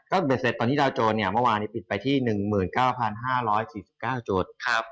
ก็เป็นเศรษฐ์ตอนนี้ดาวน์โจนนี่วันวานนี้ปิดไปที่๑๙๕๔๙จุดครับ